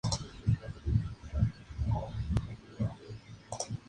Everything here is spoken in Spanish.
Una copla, principalmente, ha desatado todo tipo de fantasías.